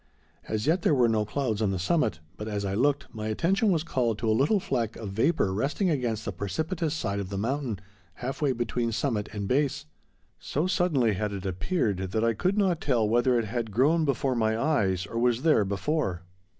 As yet there were no clouds on the summit, but, as I looked, my attention was called to a little fleck of vapor resting against the precipitous side of the mountain, half way between summit and base. So suddenly had it appeared that I could not tell whether it had grown before my eyes or was there before.